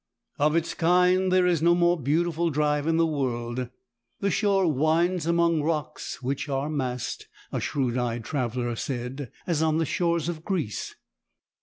Of its kind there is no more beautiful drive in the world. The shore winds among rocks which are massed, a shrewd eyed traveller said, as on the shores of Greece.